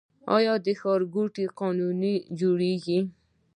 آیا ښارګوټي قانوني جوړیږي؟